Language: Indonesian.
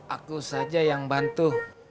aku saja yang bantu